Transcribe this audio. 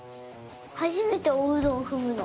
はじめておうどんふむの。